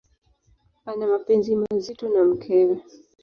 Ana mapenzi mazito na mkewe.